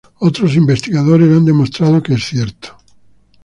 Otros investigadores han demostrado que es cierto.